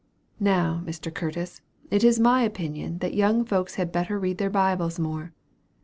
Now, Mr. Curtis, it is my opinion that young folks had better read their Bibles more.